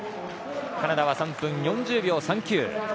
カナダは３分４０秒３９。